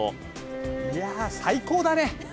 いやぁ、最高だね。